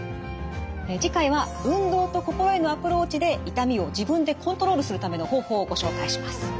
次回は運動と心へのアプローチで痛みを自分でコントロールするための方法をご紹介します。